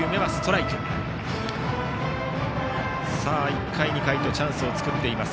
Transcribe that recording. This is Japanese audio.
１回、２回とチャンスを作っています。